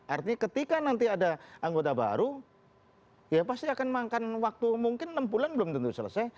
artinya ketika nanti ada anggota baru ya pasti akan makan waktu mungkin enam bulan belum tentu selesai